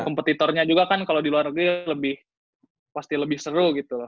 kompetitornya juga kan kalau di luar negeri lebih pasti lebih seru gitu